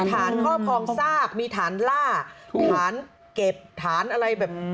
ฐานครอบครองซากมีฐานล่าฐานเก็บฐานอะไรแบบ